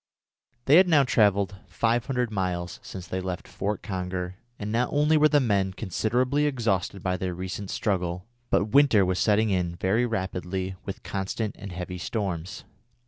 They had now travelled 500 miles since they left Fort Conger, and not only were the men considerably exhausted by their recent struggle, but winter was setting in very rapidly with constant and heavy storms.